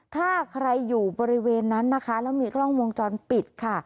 ถ้าใครอยู่บริเวณนั้นนะคะแล้วมีกล้องวงจรปิดค่ะ